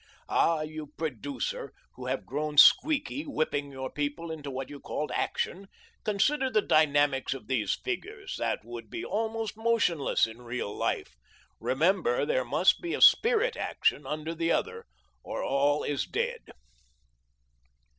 Ah, you producer who have grown squeaky whipping your people into what you called action, consider the dynamics of these figures that would be almost motionless in real life. Remember there must be a spirit action under the other, or all is dead.